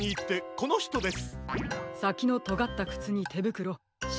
このひとです。